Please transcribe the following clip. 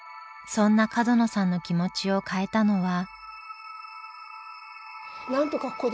そんな角野さんの気持ちを変えたのは。